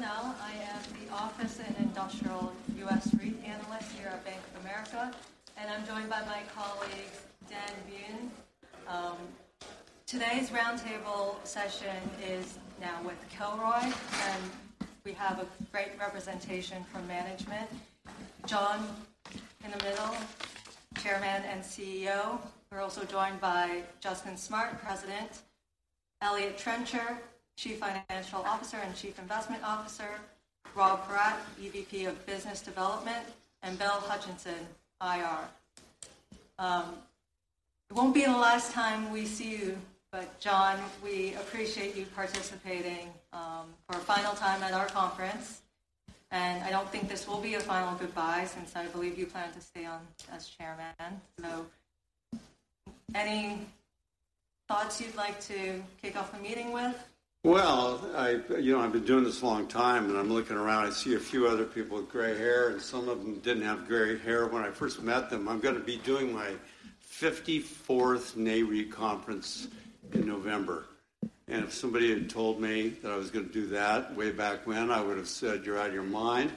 My name is Camille Bonnel. I am the Office and Industrial US REIT Analyst here at Bank of America, and I'm joined by my colleague, Dan Vien. Today's roundtable session is now with Kilroy, and we have a great representation from management. John, in the middle, Chairman and CEO. We're also joined by Justin Smart, President, Eliott Trencher, Chief Financial Officer and Chief Investment Officer, Rob Paratte, EVP of Business Development, and Bill Hutcheson, IR. It won't be the last time we see you, but John, we appreciate you participating for a final time at our conference. I don't think this will be a final goodbye, since I believe you plan to stay on as chairman. So any thoughts you'd like to kick off the meeting with? Well, I, you know, I've been doing this a long time, and I'm looking around, I see a few other people with gray hair, and some of them didn't have gray hair when I first met them. I'm gonna be doing my 54th NAREIT conference in November, and if somebody had told me that I was gonna do that way back when, I would have said, "You're out of your mind."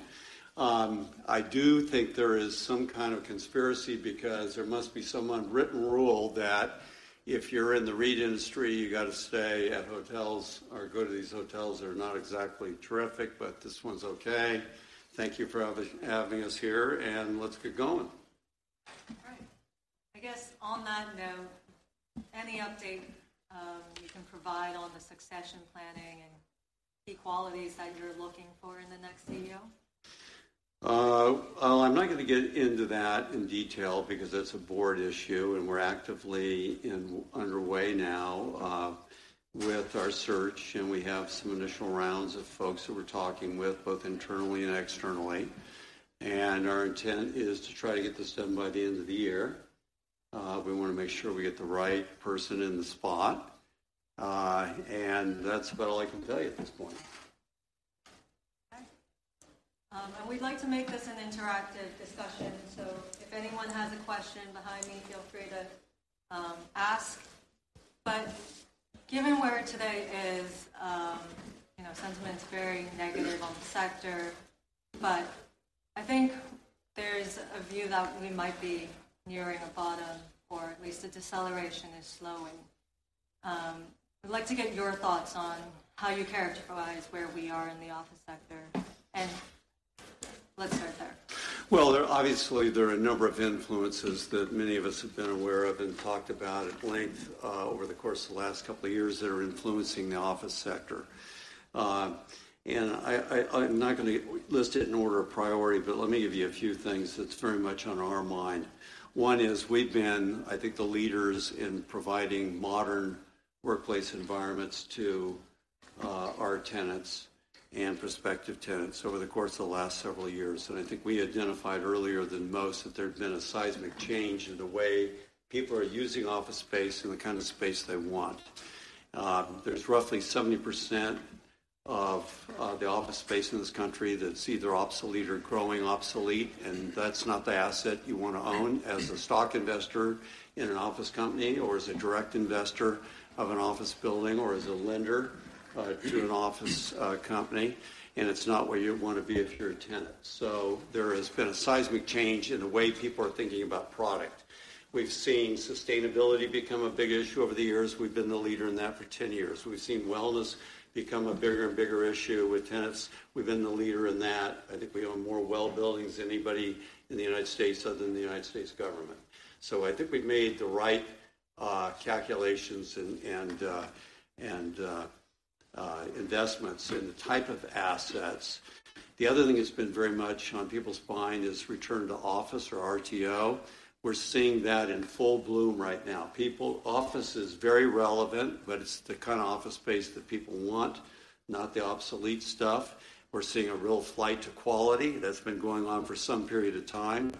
I do think there is some kind of conspiracy because there must be some unwritten rule that if you're in the REIT industry, you got to stay at hotels, or go to these hotels that are not exactly terrific, but this one's okay. Thank you for having us here, and let's get going. All right. I guess on that note, any update, you can provide on the succession planning and key qualities that you're looking for in the next CEO? Well, I'm not going to get into that in detail because that's a board issue, and we're actively underway now with our search, and we have some initial rounds of folks who we're talking with, both internally and externally. Our intent is to try to get this done by the end of the year. We want to make sure we get the right person in the spot, and that's about all I can tell you at this point. Okay. We'd like to make this an interactive discussion, so if anyone has a question behind me, feel free to ask. But given where today is, you know, sentiment is very negative on the sector, but I think there's a view that we might be nearing a bottom, or at least the deceleration is slowing. I'd like to get your thoughts on how you characterize where we are in the office sector. Let's start there. Well, there obviously, there are a number of influences that many of us have been aware of and talked about at length over the course of the last couple of years that are influencing the office sector. And I, I'm not going to list it in order of priority, but let me give you a few things that's very much on our mind. One is we've been, I think, the leaders in providing modern workplace environments to our tenants and prospective tenants over the course of the last several years. And I think we identified earlier than most that there had been a seismic change in the way people are using office space and the kind of space they want. There's roughly 70% of the office space in this country that's either obsolete or growing obsolete, and that's not the asset you want to own as a stock investor in an office company, or as a direct investor of an office building, or as a lender to an office company, and it's not where you want to be if you're a tenant. There has been a seismic change in the way people are thinking about product. We've seen sustainability become a big issue over the years. We've been the leader in that for 10 years. We've seen wellness become a bigger and bigger issue with tenants. We've been the leader in that. I think we own more well buildings than anybody in the United States, other than the United States government. So I think we've made the right calculations and investments in the type of assets. The other thing that's been very much on people's mind is return to office or RTO. We're seeing that in full bloom right now. People, office is very relevant, but it's the kind of office space that people want, not the obsolete stuff. We're seeing a real flight to quality that's been going on for some period of time.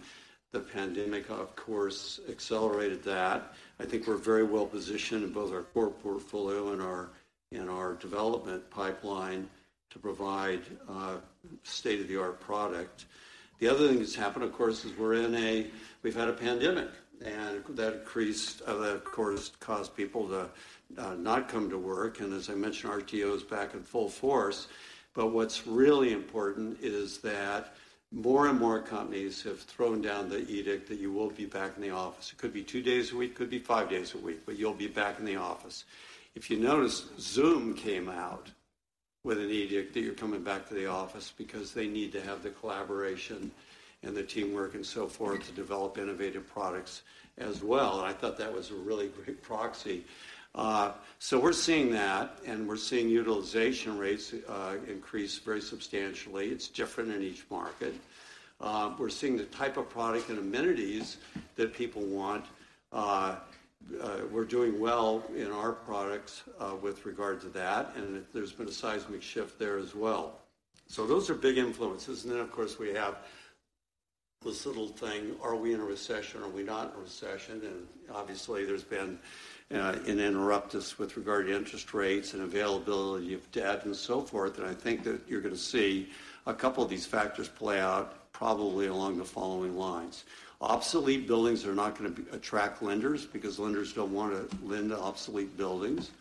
The pandemic, of course, accelerated that. I think we're very well positioned in both our core portfolio and our development pipeline to provide a state-of-the-art product. The other thing that's happened, of course, is. We've had a pandemic, and that, of course, caused people to not come to work. And as I mentioned, RTO is back in full force. But what's really important is that more and more companies have thrown down the edict that you will be back in the office. It could be two days a week, could be five days a week, but you'll be back in the office. If you notice, Zoom came out with an edict that you're coming back to the office because they need to have the collaboration and the teamwork and so forth to develop innovative products as well. And I thought that was a really great proxy. So we're seeing that, and we're seeing utilization rates increase very substantially. It's different in each market. We're seeing the type of product and amenities that people want. We're doing well in our products with regard to that, and there's been a seismic shift there as well. So those are big influences, and then, of course, we have this little thing, are we in a recession, or are we not in a recession? And obviously, there's been an interruptus with regard to interest rates and availability of debt and so forth, and I think that you're going to see a couple of these factors play out probably along the following lines. Obsolete buildings are not going to attract lenders because lenders don't want to lend to obsolete buildings.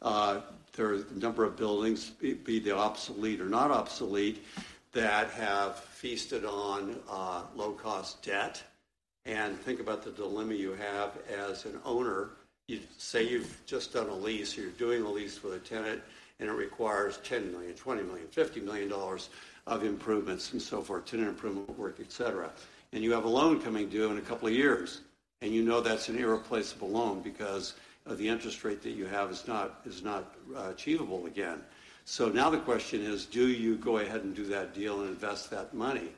There are a number of buildings, be they obsolete or not obsolete, that have feasted on low-cost debt. And think about the dilemma you have as an owner. You say, you've just done a lease, or you're doing a lease with a tenant, and it requires $10 million, $20 million, $50 million of improvements and so forth, tenant improvement work, et cetera. And you have a loan coming due in a couple of years, and you know that's an irreplaceable loan because, the interest rate that you have is not, is not, achievable again. So now the question is: do you go ahead and do that deal and invest that money,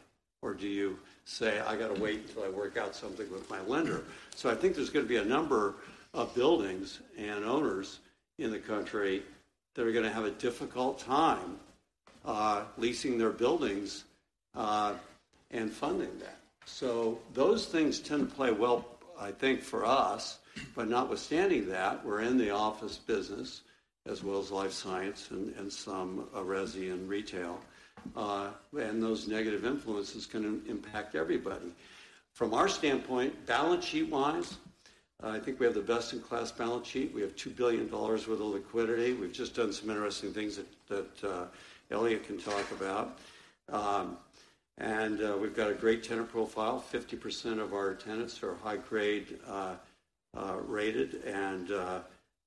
or do you say, "I've got to wait until I work out something with my lender?" So I think there's going to be a number of buildings and owners in the country that are going to have a difficult time, leasing their buildings, and funding that. So those things tend to play well, I think, for us. But notwithstanding that, we're in the office business, as well as life science and, and some resi and retail, and those negative influences can impact everybody. From our standpoint, balance sheet-wise, I think we have the best-in-class balance sheet. We have $2 billion worth of liquidity. We've just done some interesting things that Eliott can talk about. We've got a great tenant profile. 50% of our tenants are high-grade rated, and you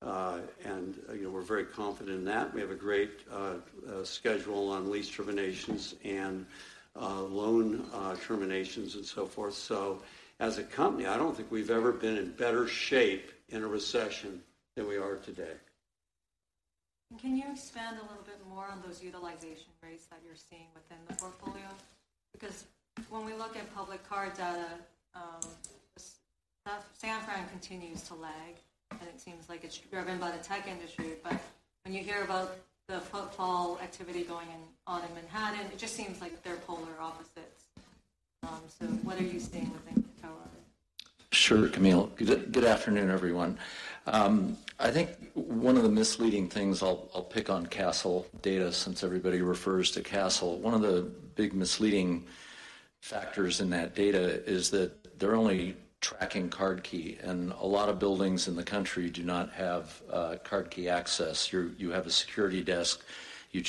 know, we're very confident in that. We have a great schedule on lease terminations and loan terminations, and so forth. So as a company, I don't think we've ever been in better shape in a recession than we are today. Can you expand a little bit more on those utilization rates that you're seeing within the portfolio? Because when we look at public card data, San Fran continues to lag, and it seems like it's driven by the tech industry. But when you hear about the footfall activity going on in Manhattan, it just seems like they're polar opposites. So what are you seeing within Kilroy? Sure, Camille. Good afternoon, everyone. I think one of the misleading things... I'll pick on Kastle data, since everybody refers to Kastle. One of the big misleading factors in that data is that they're only tracking card key, and a lot of buildings in the country do not have card key access. You're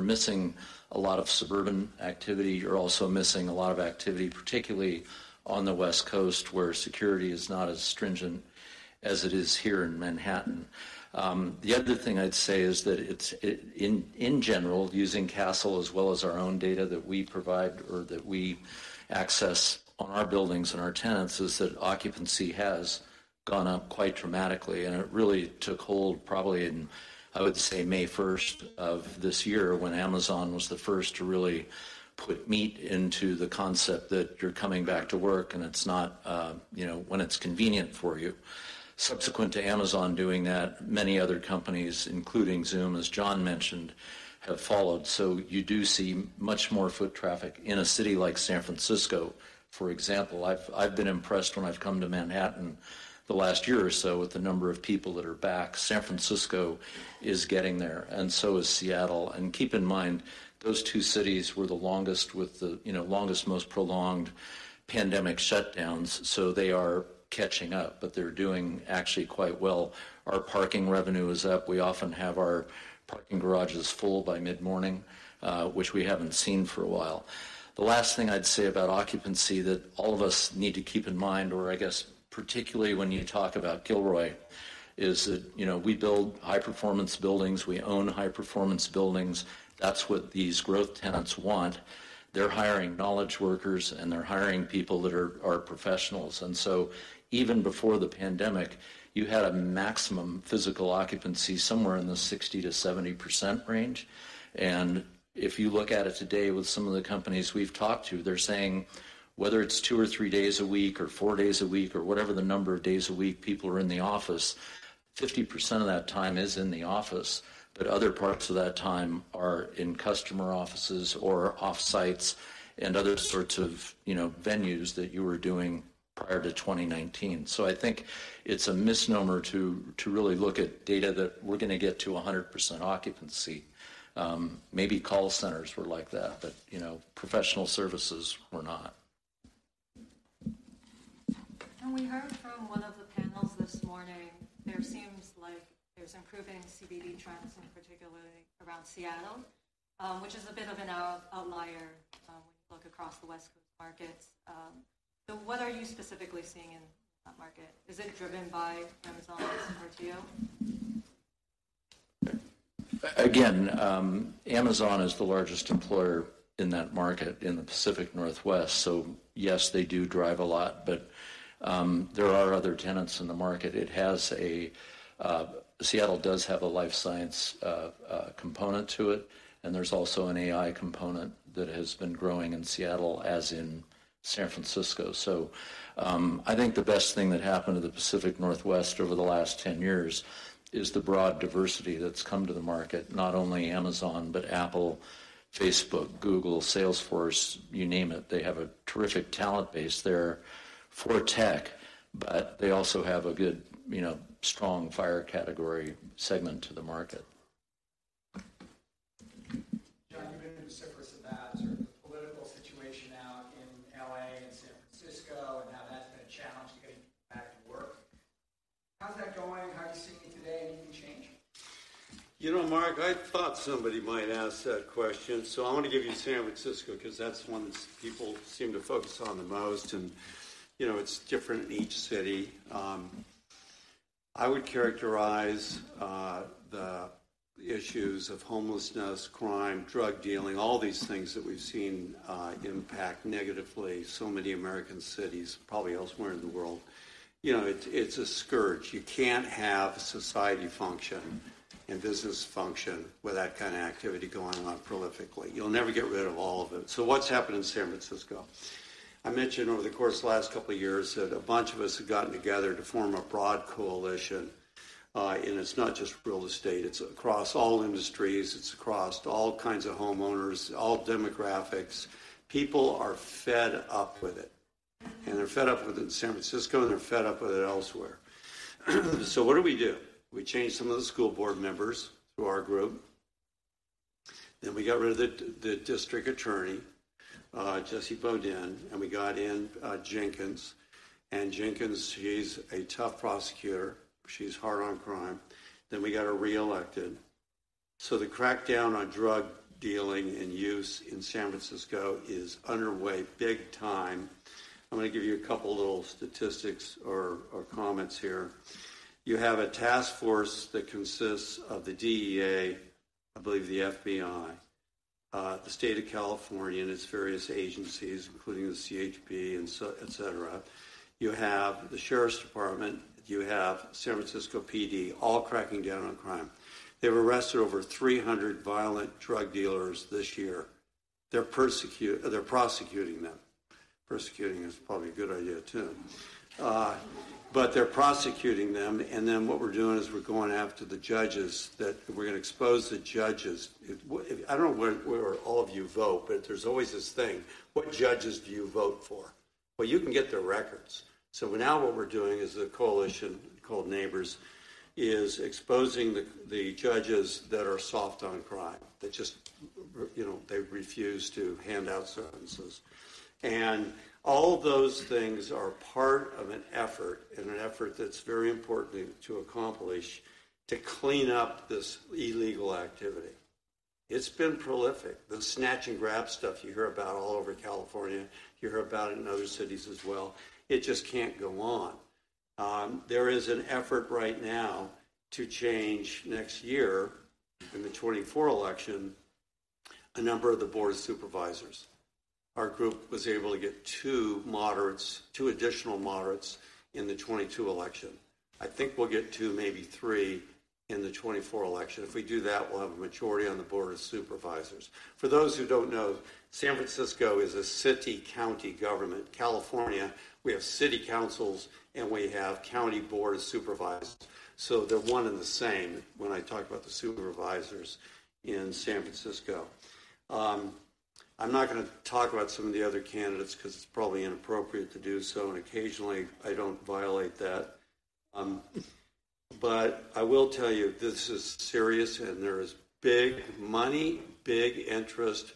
missing a lot of suburban activity. You're also missing a lot of activity, particularly on the West Coast, where security is not as stringent as it is here in Manhattan. The other thing I'd say is that it, in general, using Kastle as well as our own data that we provide or that we access on our buildings and our tenants, is that occupancy has gone up quite dramatically, and it really took hold probably in, I would say, May first of this year, when Amazon was the first to really put meat into the concept that you're coming back to work, and it's not, you know, when it's convenient for you. Subsequent to Amazon doing that, many other companies, including Zoom, as John mentioned, have followed. So you do see much more foot traffic in a city like San Francisco. For example, I've been impressed when I've come to Manhattan the last year or so with the number of people that are back. San Francisco is getting there, and so is Seattle. Keep in mind, those two cities were the longest with the, you know, longest, most prolonged pandemic shutdowns, so they are catching up, but they're doing actually quite well. Our parking revenue is up. We often have our parking garages full by mid-morning, which we haven't seen for a while. The last thing I'd say about occupancy that all of us need to keep in mind, or I guess, particularly when you talk about Kilroy, is that, you know, we build high-performance buildings. We own high-performance buildings. That's what these growth tenants want. They're hiring knowledge workers, and they're hiring people that are, are professionals. And so even before the pandemic, you had a maximum physical occupancy somewhere in the 60%-70% range. And if you look at it today with some of the companies we've talked to, they're saying whether it's two or three days a week, or four days a week, or whatever the number of days a week people are in the office, 50% of that time is in the office, but other parts of that time are in customer offices or off-sites and other sorts of, you know, venues that you were doing prior to 2019. So I think it's a misnomer to really look at data that we're going to get to 100% occupancy. Maybe call centers were like that, but, you know, professional services were not. We heard from one of the panels this morning, there seems like there's improving CBD trends, in particularly around Seattle, which is a bit of an outlier, when you look across the West Coast markets. So what are you specifically seeing in that market? Is it driven by Amazon RTO? Again, Amazon is the largest employer in that market, in the Pacific Northwest. So yes, they do drive a lot, but, there are other tenants in the market. It has a Seattle does have a life science component to it, and there's also an AI component that has been growing in Seattle, as in San Francisco. So, I think the best thing that happened to the Pacific Northwest over the last 10 years is the broad diversity that's come to the market. Not only Amazon, but Apple, Facebook, Google, Salesforce, you name it. They have a terrific talent base there for tech, but they also have a good, you know, strong FIRE category segment to the market. ...repercussions of that sort of political situation out in L.A. and San Francisco, and how that's been a challenge to getting back to work. How's that going? How are you seeing it today? Anything change? You know, Mark, I thought somebody might ask that question. So I want to give you San Francisco, 'cause that's the one that people seem to focus on the most, and, you know, it's different in each city. I would characterize the issues of homelessness, crime, drug dealing, all these things that we've seen impact negatively so many American cities, probably elsewhere in the world. You know, it, it's a scourge. You can't have society function and business function with that kind of activity going on prolifically. You'll never get rid of all of it. So what's happened in San Francisco? I mentioned over the course of the last couple of years that a bunch of us have gotten together to form a broad coalition. And it's not just real estate, it's across all industries, it's across all kinds of homeowners, all demographics. People are fed up with it, and they're fed up with it in San Francisco, and they're fed up with it elsewhere. So what do we do? We changed some of the school board members through our group, then we got rid of the district attorney, Chesa Boudin, and we got in Jenkins. And Jenkins, she's a tough prosecutor. She's hard on crime. Then we got her reelected. So the crackdown on drug dealing and use in San Francisco is underway big time. I'm gonna give you a couple of little statistics or comments here. You have a task force that consists of the DEA, I believe the FBI, the state of California, and its various agencies, including the CHP, and so on, et cetera. You have the Sheriff's Department, you have San Francisco PD, all cracking down on crime. They've arrested over 300 violent drug dealers this year. They're prosecuting them. Persecuting is probably a good idea, too. But they're prosecuting them, and then what we're doing is we're going after the judges, that we're gonna expose the judges. I don't know where, where all of you vote, but there's always this thing: What judges do you vote for? Well, you can get their records. So now what we're doing is a coalition called Neighbors, is exposing the, the judges that are soft on crime. You know, they refuse to hand out sentences. And all those things are part of an effort, and an effort that's very important to, to accomplish, to clean up this illegal activity. It's been prolific. The snatch-and-grab stuff you hear about all over California, you hear about it in other cities as well, it just can't go on. There is an effort right now to change next year, in the 2024 election, a number of the Board of Supervisors. Our group was able to get two moderates, two additional moderates in the 2022 election. I think we'll get two, maybe three, in the 2024 election. If we do that, we'll have a majority on the Board of Supervisors. For those who don't know, San Francisco is a city-county government. California, we have city councils, and we have county Board of Supervisors, so they're one and the same when I talk about the supervisors in San Francisco. I'm not gonna talk about some of the other candidates 'cause it's probably inappropriate to do so, and occasionally I don't violate that. But I will tell you, this is serious and there is big money, big interest,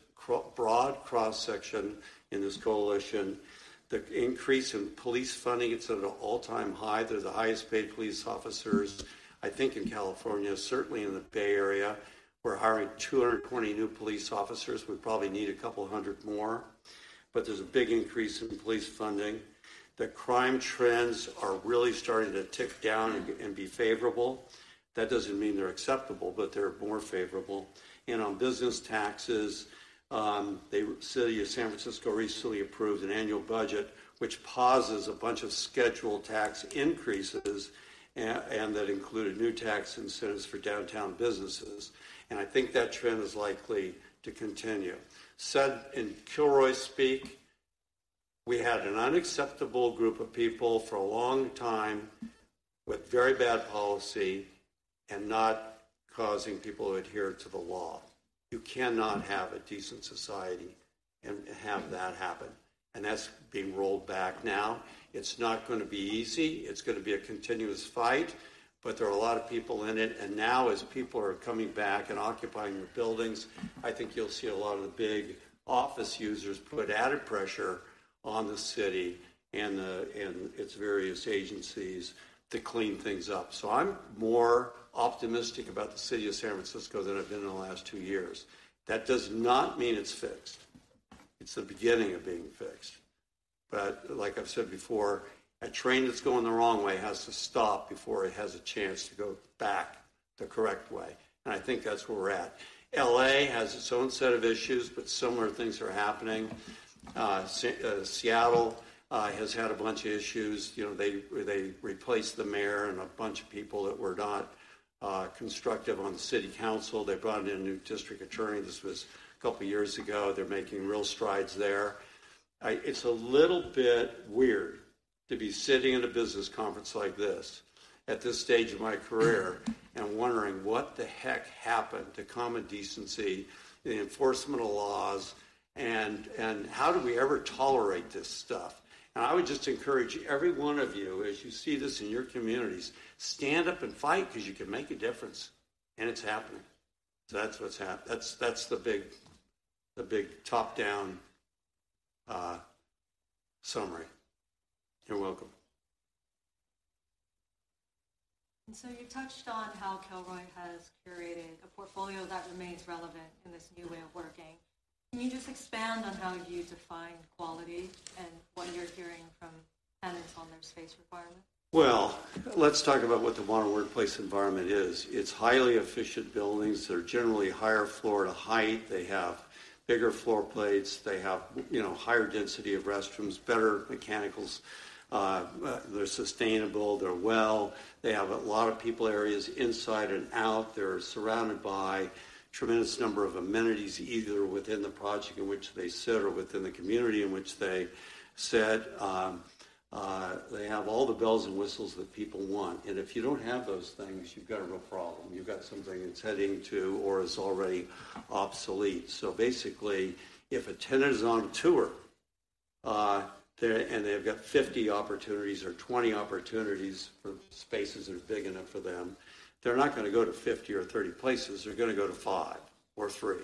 broad cross-section in this coalition. The increase in police funding, it's at an all-time high. They're the highest paid police officers, I think, in California, certainly in the Bay Area. We're hiring 220 new police officers. We probably need a couple of hundred more, but there's a big increase in police funding. The crime trends are really starting to tick down and be favorable. That doesn't mean they're acceptable, but they're more favorable. On business taxes, the city of San Francisco recently approved an annual budget, which pauses a bunch of scheduled tax increases, and that included new tax incentives for downtown businesses, and I think that trend is likely to continue. Said in Kilroy speak, we had an unacceptable group of people for a long time with very bad policy and not causing people to adhere to the law. You cannot have a decent society and have that happen, and that's being rolled back now. It's not gonna be easy. It's gonna be a continuous fight, but there are a lot of people in it. And now as people are coming back and occupying their buildings, I think you'll see a lot of the big office users put added pressure on the city and its various agencies to clean things up. So I'm more optimistic about the city of San Francisco than I've been in the last two years. That does not mean it's fixed. It's the beginning of being fixed. But like I've said before, a train that's going the wrong way has to stop before it has a chance to go back the correct way, and I think that's where we're at. L.A. has its own set of issues, but similar things are happening. Seattle has had a bunch of issues. You know, they replaced the mayor and a bunch of people that were not constructive on the City Council. They brought in a new district attorney. This was a couple of years ago. They're making real strides there. It's a little bit weird to be sitting in a business conference like this at this stage of my career and wondering what the heck happened to common decency, the enforcement of laws. And how do we ever tolerate this stuff? I would just encourage every one of you, as you see this in your communities, stand up and fight because you can make a difference, and it's happening. So that's what's happening. That's, that's the big, the big top-down summary. You're welcome. You touched on how Kilroy has curated a portfolio that remains relevant in this new way of working. Can you just expand on how you define quality and what you're hearing from tenants on their space requirements? Well, let's talk about what the modern workplace environment is. It's highly efficient buildings that are generally higher floor to height. They have bigger floor plates. They have, you know, higher density of restrooms, better mechanicals, they're sustainable, they're well. They have a lot of people areas inside and out. They're surrounded by tremendous number of amenities, either within the project in which they sit or within the community in which they sit. They have all the bells and whistles that people want, and if you don't have those things, you've got a real problem. You've got something that's heading to or is already obsolete. So basically, if a tenant is on a tour, and they've got 50 opportunities or 20 opportunities for spaces that are big enough for them, they're not gonna go to 50 or 30 places. They're gonna go to five or three,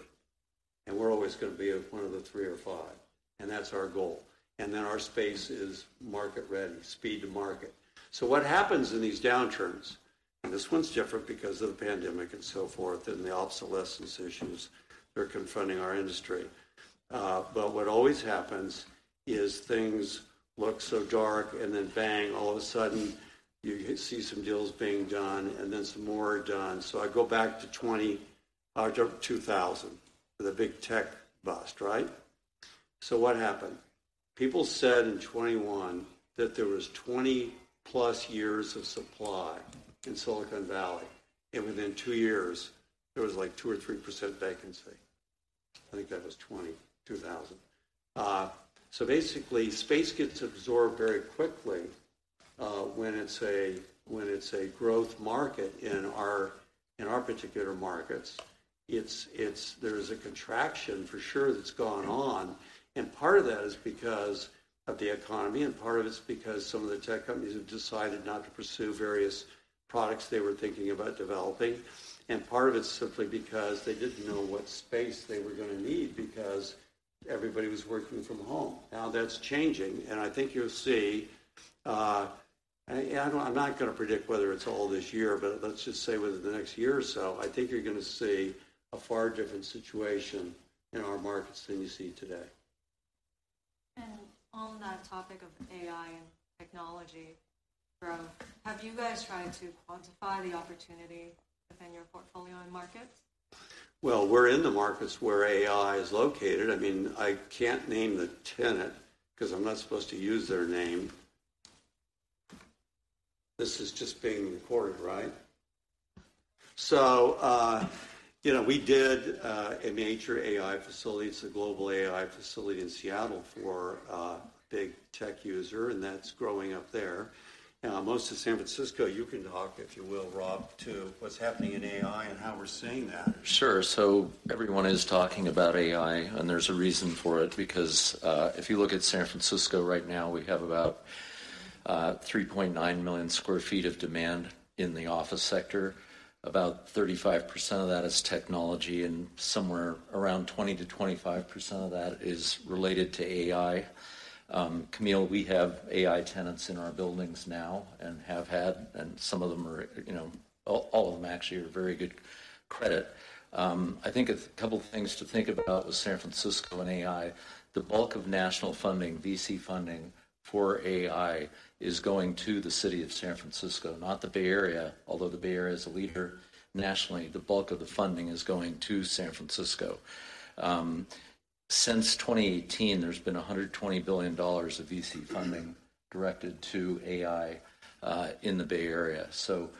and we're always gonna be one of the three or five, and that's our goal. And then our space is market ready, speed to market. So what happens in these downturns, and this one's different because of the pandemic and so forth, and the obsolescence issues that are confronting our industry. But what always happens is things look so dark, and then bang, all of a sudden, you, you see some deals being done and then some more are done. So I go back to October 2000, the big tech bust, right? So what happened? People said in 2001 that there was 20+ years of supply in Silicon Valley, and within two years, there was, like, 2%-3% vacancy. I think that was 2002. So basically, space gets absorbed very quickly when it's a growth market in our particular markets. There is a contraction for sure that's gone on, and part of that is because of the economy, and part of it's because some of the tech companies have decided not to pursue various products they were thinking about developing, and part of it's simply because they didn't know what space they were gonna need because everybody was working from home. Now, that's changing, and I think you'll see... I don't—I'm not gonna predict whether it's all this year, but let's just say within the next year or so, I think you're gonna see a far different situation in our markets than you see today. On that topic of AI and technology growth, have you guys tried to quantify the opportunity within your portfolio and markets? Well, we're in the markets where AI is located. I mean, I can't name the tenant because I'm not supposed to use their name. This is just being recorded, right? So, you know, we did a major AI facility. It's a global AI facility in Seattle for a big tech user, and that's growing up there. Most of San Francisco, you can talk, if you will, Rob, to what's happening in AI and how we're seeing that. Sure. So everyone is talking about AI, and there's a reason for it because if you look at San Francisco right now, we have about 3.9 million sq ft of demand in the office sector. About 35% of that is technology, and somewhere around 20%-25% of that is related to AI. Camille, we have AI tenants in our buildings now and have had, and some of them are, you know... All, all of them actually are very good credit. I think a couple of things to think about with San Francisco and AI, the bulk of national funding, VC funding for AI, is going to the city of San Francisco, not the Bay Area. Although the Bay Area is a leader nationally, the bulk of the funding is going to San Francisco. Since 2018, there's been $120 billion of VC funding directed to AI in the Bay Area. So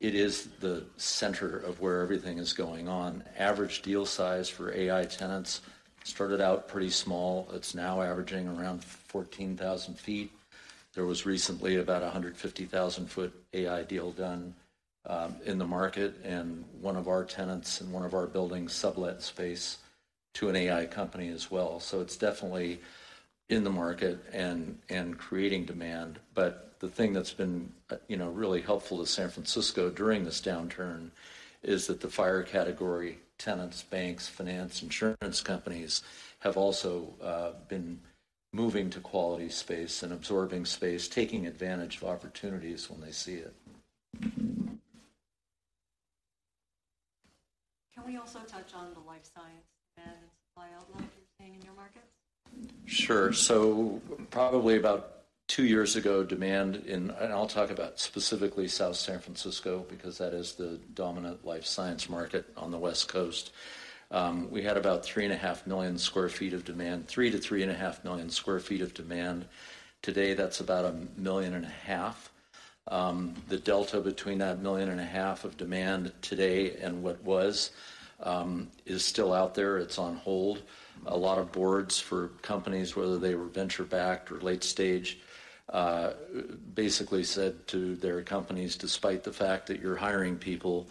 it is the center of where everything is going on. Average deal size for AI tenants started out pretty small. It's now averaging around 14,000 sq ft. There was recently about a 150,000 sq ft AI deal done in the market, and one of our tenants in one of our buildings sublet space to an AI company as well. So it's definitely in the market and creating demand. But the thing that's been, you know, really helpful to San Francisco during this downturn is that the FIRE category, tenants, banks, finance, insurance companies, have also been moving to quality space and absorbing space, taking advantage of opportunities when they see it. Can we also touch on the life science and supply outlook you're seeing in your markets? Sure. So probably about two years ago, demand in... I'll talk about specifically South San Francisco, because that is the dominant life science market on the West Coast. We had about 3.5 million sq ft of demand, 3-3.5 million sq ft of demand. Today, that's about 1.5 million.... The delta between that 1.5 million of demand today and what is still out there, it's on hold. A lot of boards for companies, whether they were venture-backed or late stage, basically said to their companies, "Despite the fact that you're hiring people,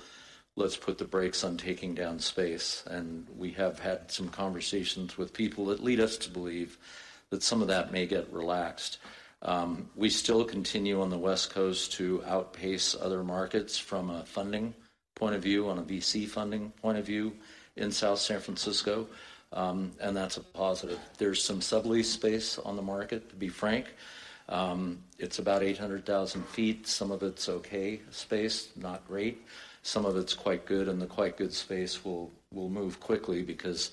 let's put the brakes on taking down space." And we have had some conversations with people that lead us to believe that some of that may get relaxed. We still continue on the West Coast to outpace other markets from a funding point of view, on a VC funding point of view, in South San Francisco, and that's a positive. There's some sublease space on the market, to be frank. It's about 800,000 sq ft. Some of it's okay space, not great. Some of it's quite good, and the quite good space will move quickly because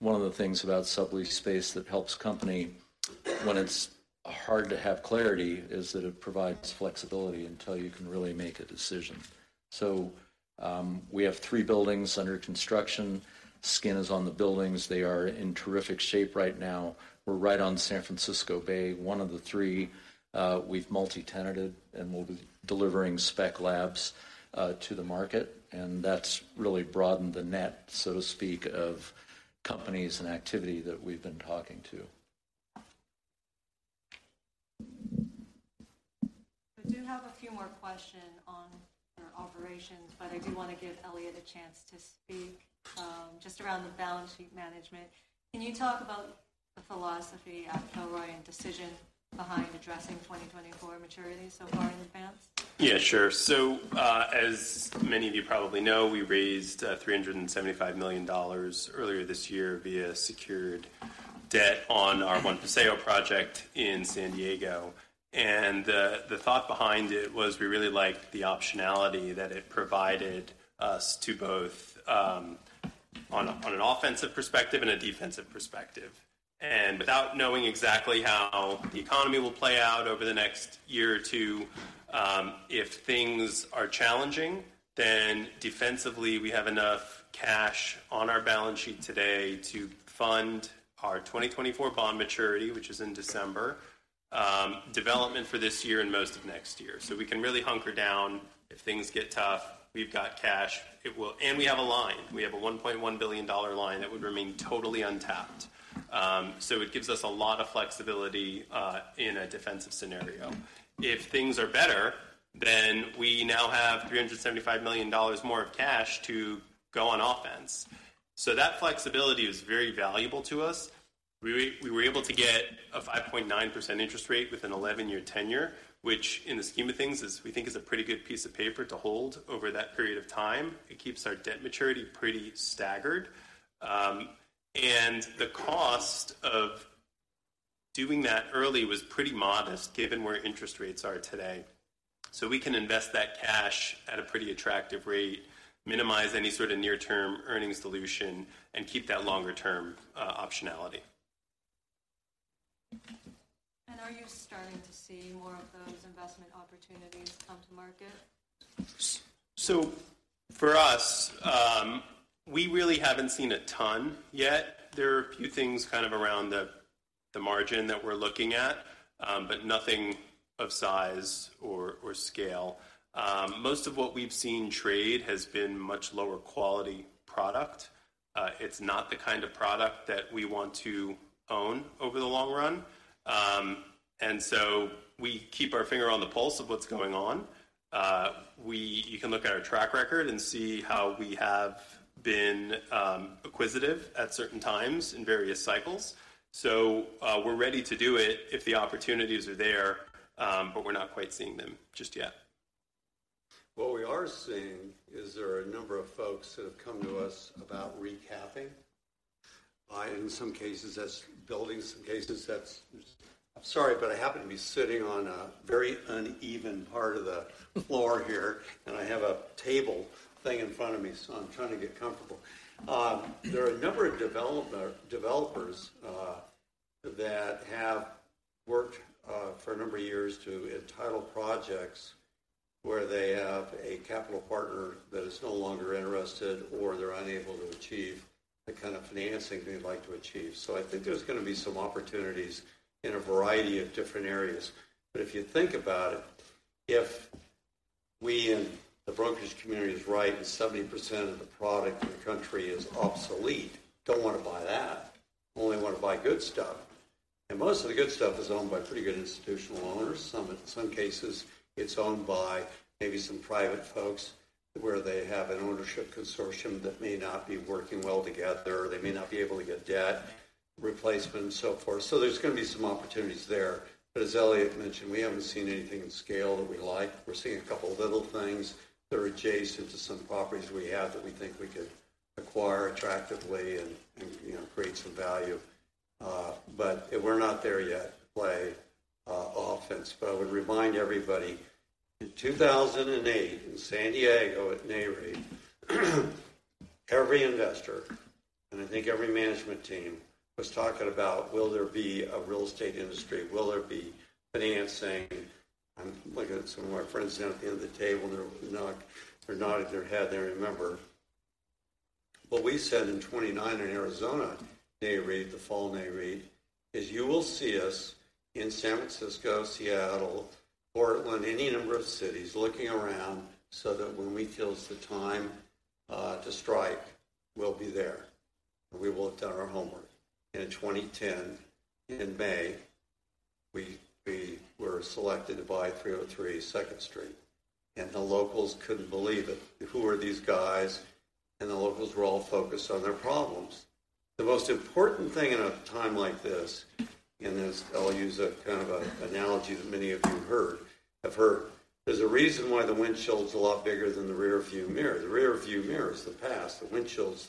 one of the things about sublease space that helps company, when it's hard to have clarity, is that it provides flexibility until you can really make a decision. So, we have three buildings under construction. Skin is on the buildings. They are in terrific shape right now. We're right on San Francisco Bay. One of the three, we've multi-tenanted, and we'll be delivering spec labs to the market, and that's really broadened the net, so to speak, of companies and activity that we've been talking to. I do have a few more questions on your operations, but I do want to give Eliott a chance to speak. Just around the balance sheet management, can you talk about the philosophy at Kilroy and the decision behind addressing 2024 maturity so far in advance? Yeah, sure. So, as many of you probably know, we raised $375 million earlier this year via secured debt on our One Paseo project in San Diego. And, the thought behind it was we really liked the optionality that it provided us to both, on an offensive perspective and a defensive perspective. And without knowing exactly how the economy will play out over the next year or two, if things are challenging, then defensively, we have enough cash on our balance sheet today to fund our 2024 bond maturity, which is in December, development for this year and most of next year. So we can really hunker down. If things get tough, we've got cash. And we have a line. We have a $1.1 billion line that would remain totally untapped. So it gives us a lot of flexibility in a defensive scenario. If things are better, then we now have $375 million more of cash to go on offense. So that flexibility is very valuable to us. We were able to get a 5.9% interest rate with an 11-year tenure, which in the scheme of things is—we think is a pretty good piece of paper to hold over that period of time. It keeps our debt maturity pretty staggered. And the cost of doing that early was pretty modest, given where interest rates are today. So we can invest that cash at a pretty attractive rate, minimize any sort of near-term earnings dilution, and keep that longer-term optionality. Are you starting to see more of those investment opportunities come to market? So for us, we really haven't seen a ton yet. There are a few things kind of around the margin that we're looking at, but nothing of size or scale. Most of what we've seen trade has been much lower quality product. It's not the kind of product that we want to own over the long run. And so we keep our finger on the pulse of what's going on. You can look at our track record and see how we have been acquisitive at certain times in various cycles. So, we're ready to do it if the opportunities are there, but we're not quite seeing them just yet. What we are seeing is there are a number of folks that have come to us about recapping. In some cases, that's buildings, some cases that's... I'm sorry, but I happen to be sitting on a very uneven part of the floor here, and I have a table thing in front of me, so I'm trying to get comfortable. There are a number of developers that have worked for a number of years to entitle projects where they have a capital partner that is no longer interested or they're unable to achieve the kind of financing they'd like to achieve. So I think there's gonna be some opportunities in a variety of different areas. But if you think about it, if we in the brokerage community is right, and 70% of the product in the country is obsolete, don't wanna buy that, only wanna buy good stuff. And most of the good stuff is owned by pretty good institutional owners. In some cases, it's owned by maybe some private folks, where they have an ownership consortium that may not be working well together, or they may not be able to get debt replacement and so forth. So there's gonna be some opportunities there. But as Eliott mentioned, we haven't seen anything in scale that we like. We're seeing a couple of little things that are adjacent to some properties we have that we think we could acquire attractively and, you know, create some value. But we're not there yet to play offense. But I would remind everybody, in 2008, in San Diego at NAREIT, every investor, and I think every management team, was talking about, will there be a real estate industry? Will there be financing? I'm looking at some of my friends down at the end of the table. They're nodding their head. They remember.... What we said in 2009 in Arizona in the fall is you will see us in San Francisco, Seattle, Portland, any number of cities, looking around so that when we feel it's the time to strike, we'll be there, and we will have done our homework. In 2010, in May, we were selected to buy 303 Second Street, and the locals couldn't believe it. Who are these guys? And the locals were all focused on their problems. The most important thing in a time like this, I'll use a kind of an analogy that many of you have heard. There's a reason why the windshield's a lot bigger than the rear view mirror. The rear view mirror is the past, the windshield's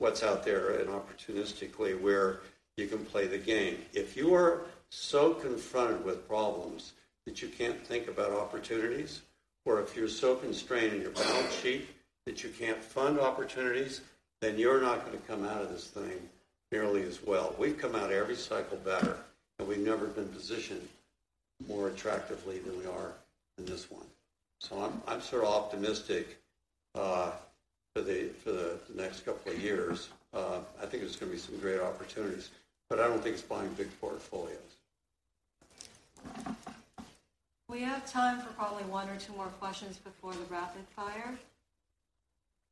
what's out there, and opportunistically, where you can play the game. If you are so confronted with problems that you can't think about opportunities, or if you're so constrained in your balance sheet that you can't fund opportunities, then you're not going to come out of this thing nearly as well. We've come out every cycle better, and we've never been positioned more attractively than we are in this one. So I'm sort of optimistic for the next couple of years. I think there's going to be some great opportunities, but I don't think it's buying big portfolios. We have time for probably one or two more questions before the rapid fire.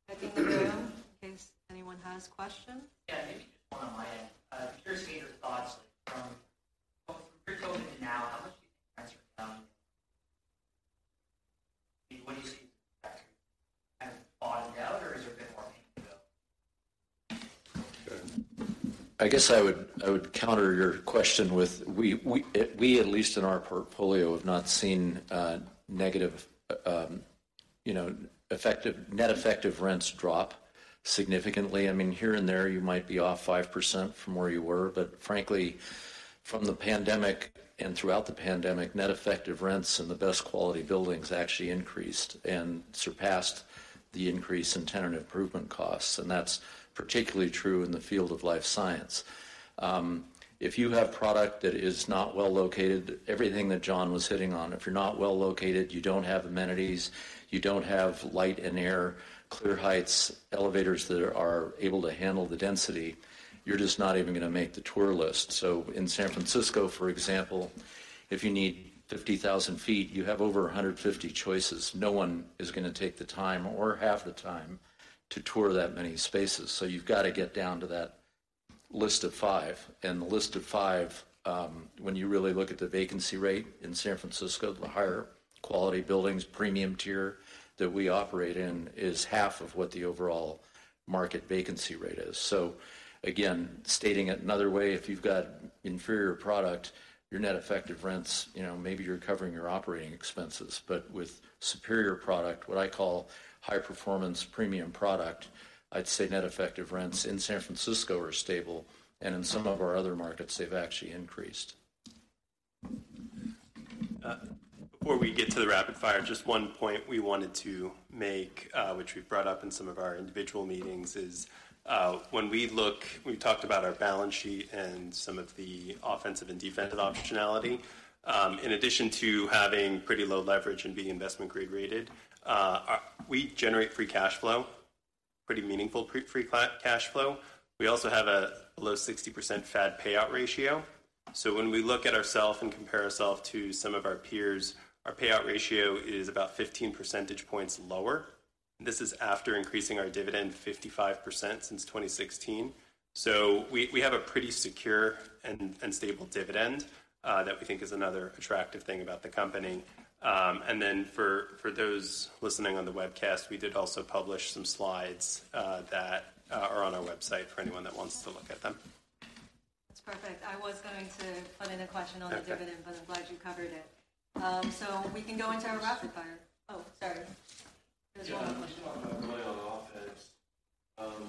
Back in the room, in case anyone has questions. Yeah, maybe just one on my end. I'm curious to get your thoughts from where we're going to now, how much do you think has been done? What do you see as bottomed out, or is there a bit more to go? I guess I would counter your question with we, at least in our portfolio, have not seen negative, you know, effective, net effective rents drop significantly. I mean, here and there, you might be off 5% from where you were, but frankly, from the pandemic and throughout the pandemic, net effective rents and the best quality buildings actually increased and surpassed the increase in tenant improvement costs, and that's particularly true in the field of life science. If you have product that is not well located, everything that John was hitting on, if you're not well located, you don't have amenities, you don't have light and air, clear heights, elevators that are able to handle the density, you're just not even going to make the tour list. So in San Francisco, for example, if you need 50,000 sq ft, you have over 150 choices. No one is going to take the time or have the time to tour that many spaces. So you've got to get down to that list of five. And the list of five, when you really look at the vacancy rate in San Francisco, the higher quality buildings, premium tier that we operate in, is half of what the overall market vacancy rate is. So again, stating it another way, if you've got inferior product, your net effective rents, you know, maybe you're covering your operating expenses, but with superior product, what I call high performance premium product, I'd say net effective rents in San Francisco are stable, and in some of our other markets, they've actually increased. Before we get to the rapid fire, just one point we wanted to make, which we've brought up in some of our individual meetings, is when we look, we talked about our balance sheet and some of the offensive and defensive optionality. In addition to having pretty low leverage and being investment grade rated, we generate free cash flow, pretty meaningful free cash flow. We also have a below 60% FAD payout ratio. So when we look at ourselves and compare ourselves to some of our peers, our payout ratio is about 15 percentage points lower. This is after increasing our dividend 55% since 2016. So we, we have a pretty secure and, and stable dividend that we think is another attractive thing about the company. And then, for those listening on the webcast, we did also publish some slides that are on our website for anyone that wants to look at them. That's perfect. I was going to put in a question on the dividend, but I'm glad you covered it. So we can go into our rapid fire. Oh, sorry. There's one question. Yeah, talking about going on offense.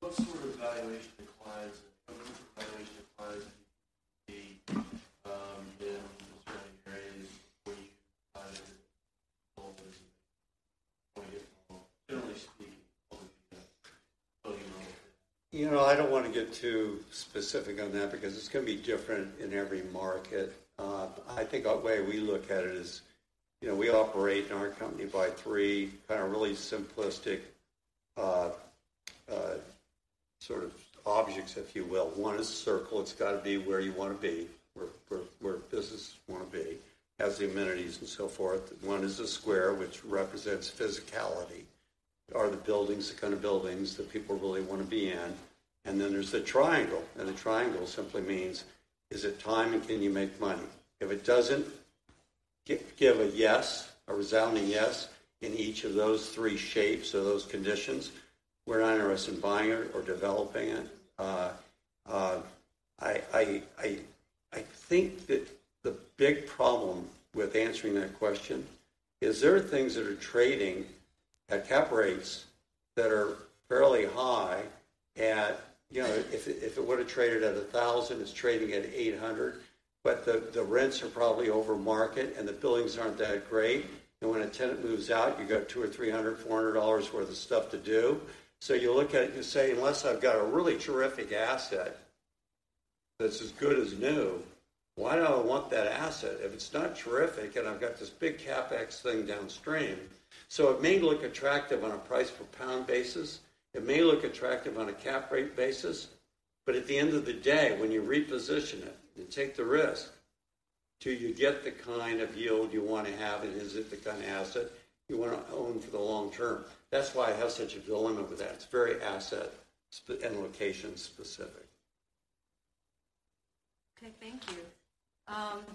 What sort of valuation declines, what valuation declines do you see, in certain areas where you either...? Generally speaking. You know, I don't want to get too specific on that because it's going to be different in every market. I think a way we look at it is, you know, we operate in our company by three kind of really simplistic, sort of objects, if you will. One is a circle. It's got to be where you want to be, where businesses want to be. Has the amenities and so forth. One is a square, which represents physicality. Are the buildings the kind of buildings that people really want to be in? And then there's the triangle, and the triangle simply means, is it time, and can you make money? If it doesn't give a yes, a resounding yes, in each of those three shapes or those conditions, we're not interested in buying it or developing it. I think that the big problem with answering that question is there are things that are trading at cap rates that are fairly high at... You know, if it would have traded at 1,000, it's trading at 800, but the rents are probably over market, and the buildings aren't that great, and when a tenant moves out, you got $200 or $300, $400 worth of stuff to do. So you look at it and you say, "Unless I've got a really terrific asset-... that's as good as new, why do I want that asset if it's not terrific, and I've got this big CapEx thing downstream? So it may look attractive on a price per pound basis, it may look attractive on a cap rate basis, but at the end of the day, when you reposition it and take the risk, do you get the kind of yield you want to have, and is it the kind of asset you want to own for the long term? That's why I have such a dilemma with that. It's very asset- and location specific. Okay, thank you.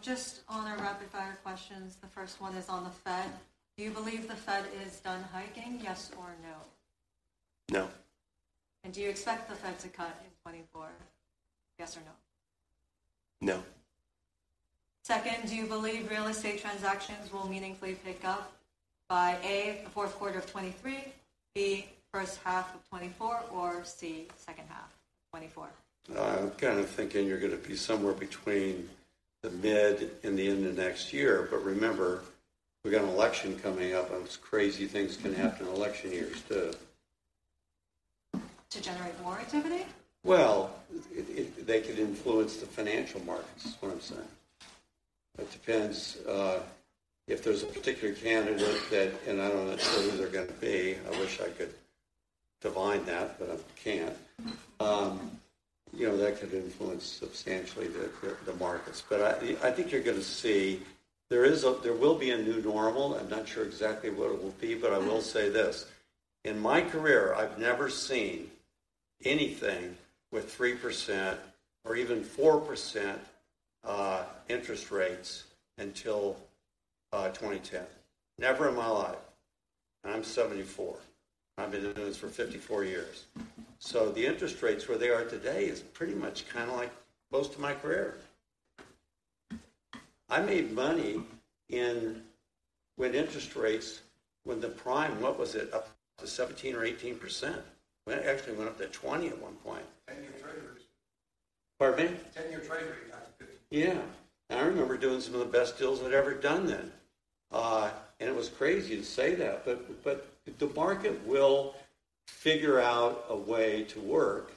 Just on our rapid-fire questions, the first one is on the Fed. Do you believe the Fed is done hiking, yes or no? No. Do you expect the Fed to cut in 2024, yes or no? No. Second, do you believe real estate transactions will meaningfully pick up by, A, the fourth quarter of 2023, B, first half of 2024, or C, second half of 2024? I'm kind of thinking you're going to be somewhere between the mid and the end of next year, but remember, we've got an election coming up, and crazy things can happen in election years, too. To generate more activity? Well, they could influence the financial markets, is what I'm saying. It depends if there's a particular candidate that... And I don't necessarily know who they're going to be. I wish I could divine that, but I can't. You know, that could influence substantially the markets. But I think you're going to see there is a—there will be a new normal. I'm not sure exactly what it will be, but I will say this: In my career, I've never seen anything with 3% or even 4% interest rates until 2010. Never in my life, and I'm 74. I've been doing this for 54 years. So the interest rates, where they are today, is pretty much kind of like most of my career. I made money in—when interest rates, when the prime, what was it? Up to 17% or 18%. Well, it actually went up to 20% at one point. Ten-year Treasuries. Pardon me? 10-year Treasury, Doctor. Yeah. I remember doing some of the best deals I'd ever done then. And it was crazy to say that, but the market will figure out a way to work,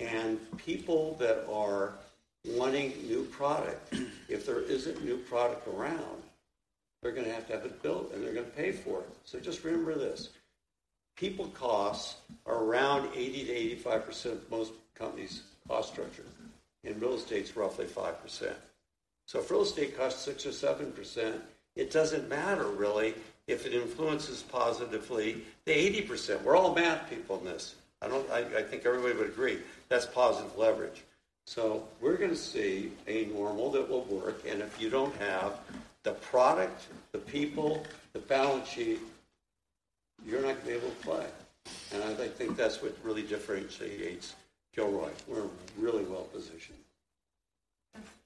and people that are wanting new product, if there isn't new product around, they're going to have to have it built, and they're going to pay for it. So just remember this, people costs are around 80%-85% of most companies' cost structure. In real estate, it's roughly 5%. So if real estate costs 6% or 7%, it doesn't matter, really, if it influences positively the 80%. We're all math people in this. I don't—I think everybody would agree that's positive leverage. So we're going to see a normal that will work, and if you don't have the product, the people, the balance sheet, you're not going to be able to play. And I think that's what really differentiates Kilroy. We're really well positioned.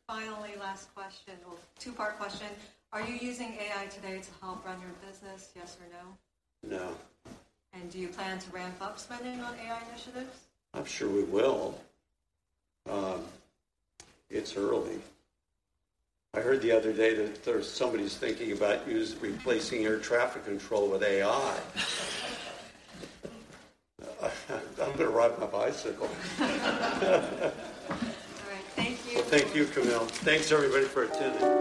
Finally, last question. Well, two-part question: Are you using AI today to help run your business, yes or no? No. Do you plan to ramp up spending on AI initiatives? I'm sure we will. It's early. I heard the other day that there's somebody's thinking about us replacing air traffic control with AI. I'm going to ride my bicycle. All right. Thank you. Thank you, Camille. Thanks, everybody, for attending.